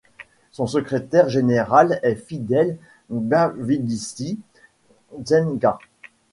Son Secrétaire général est Fidèle Bavuidinsi Nsenga.